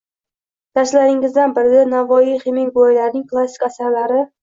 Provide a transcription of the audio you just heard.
— Darslaringizdan birida “Navoiy, Xemingueylarning klassik asarlari